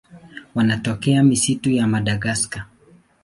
Wanatokea misitu ya Madagaska.